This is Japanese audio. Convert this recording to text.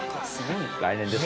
「来年です」